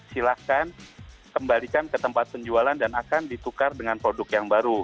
silahkan kembalikan ke tempat penjualan dan akan ditukar dengan produk yang baru